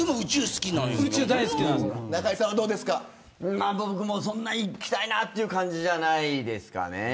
まあ、僕もそんな行きたいなという感じじゃないですかね。